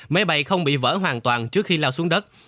máy bay không bị vỡ hoàn toàn trước khi lao xuống đất